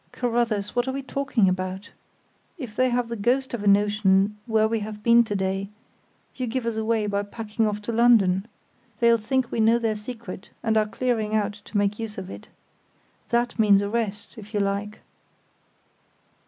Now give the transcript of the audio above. "Carruthers! what are we talking about? If they have the ghost of a notion where we have been to day, you give us away by packing off to London. They'll think we know their secret and are clearing out to make use of it. That means arrest, if you like!"